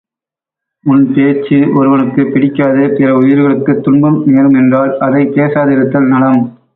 உன் பேச்சு ஒருவனுக்குப் பிடிக்காது பிற உயிர்களுக்குத் துன்பம் நேரும் என்றால் அதைப் பேசாதிருத்தல் நலம்.